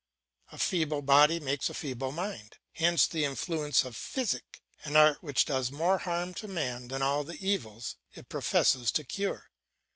A feeble body makes a feeble mind. Hence the influence of physic, an art which does more harm to man than all the evils it professes to cure.